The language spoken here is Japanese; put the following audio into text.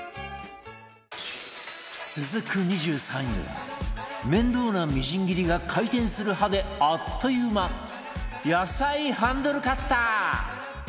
続く２３位は面倒なみじん切りが回転する刃であっという間野菜ハンドルカッター